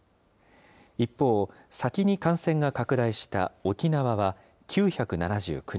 一方、先に感染が拡大した沖縄は、９７９人。